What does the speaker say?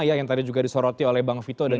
ya yang tadi juga disoroti oleh bang vito dan